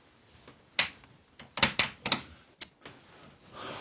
はあ。